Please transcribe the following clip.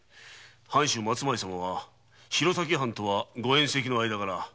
藩主・松前様は弘前藩とはご縁戚の間柄。